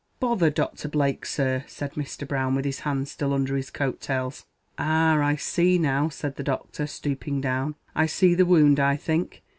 "Bother Doctor Blake, sir," said Mr. Brown, with his hands still under his coat tails. "Ah! I see now," said the Doctor, stooping down; "I see the wound, I think.